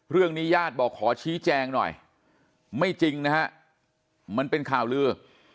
ญาติบอกขอชี้แจงหน่อยไม่จริงนะฮะมันเป็นข่าวลือ